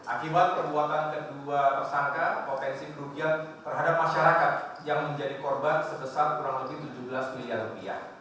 akibat perbuatan kedua tersangka potensi kerugian terhadap masyarakat yang menjadi korban sebesar kurang lebih tujuh belas miliar rupiah